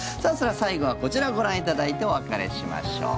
最後はこちらをご覧いただいてお別れしましょう。